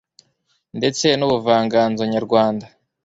ndetse n'ubuvanganzonyarwanda